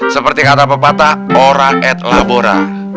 seperti kata pepatah ora et labora